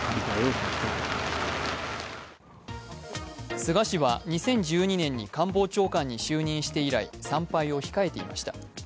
菅氏は２０１２年に官房長官に就任して以来参拝を控えていました。